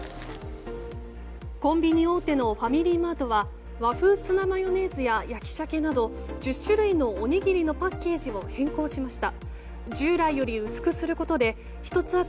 コンビニ大手のファミリーマートは和風ツナマヨネーズや焼しゃけなど１０種類のおにぎりのパッケージを変更しました。